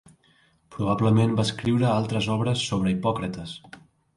Probablement va escriure altres obres sobre Hipòcrates.